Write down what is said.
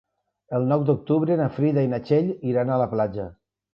El nou d'octubre na Frida i na Txell iran a la platja.